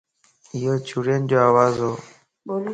ايو چوڙين جو آواز ھو